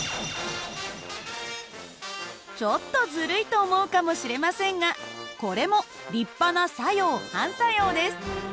ちょっとずるいと思うかもしれませんがこれも立派な作用・反作用です。